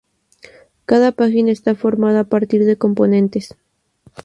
Cada página está formada a partir de componentes.